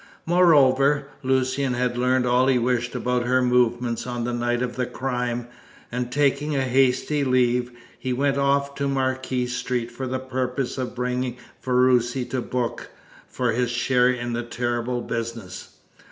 Moreover, Lucian had learned all he wished about her movements on the night of the crime, and taking a hasty leave, he went off to Marquis Street for the purpose of bringing Ferruci to book for his share in the terrible business.